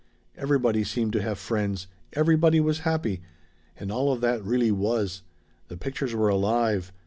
Everybody seemed to have friends. Everybody was happy! And all of that really was. The pictures were alive.